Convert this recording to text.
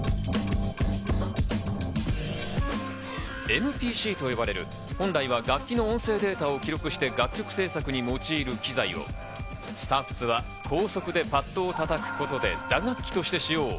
ＭＰＣと呼ばれる、本来は楽器の音声データを記録して楽曲制作に用いる機材をＳＴＵＴＳは高速でパッドを叩くことで打楽器として使用。